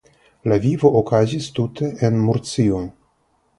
Lia vivo okazis tute en Murcio.